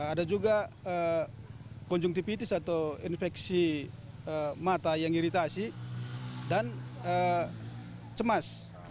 ada juga konjuntipis atau infeksi mata yang iritasi dan cemas